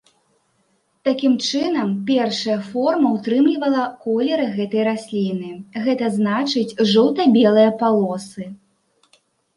Такім чынам першая форма ўтрымлівала колеры гэтай расліны, гэта значыць жоўта-белыя палосы.